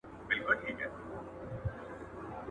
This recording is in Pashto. دښمن څه وايي، چي زړه وايي.